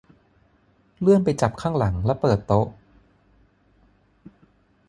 เลื่อนไปจับข้างหลังและเปิดโต๊ะ